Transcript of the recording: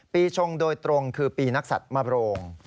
ชงโดยตรงคือปีนักศัตริย์มโรง